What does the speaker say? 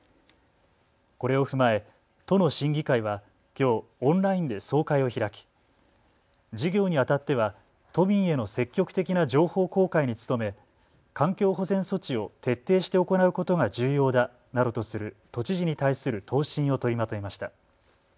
これを踏まえ都の審議会はきょうオンラインで総会を開き事業にあたっては都民への積極的な情報公開に努め環境保全措置を徹底して行うことが重要だなどとする都知事に対する答申を取りまとめました。